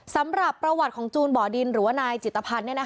สำหรับประวัติของจูนบ่อดินหรือว่านายจิตภัณฑ์